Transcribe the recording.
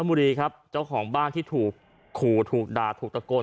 บุรีครับเจ้าของบ้านที่ถูกขู่ถูกด่าถูกตะโกน